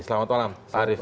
selamat malam pak arief